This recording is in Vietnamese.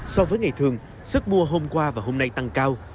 so với ngày thường sức mua hôm qua và hôm nay tăng cao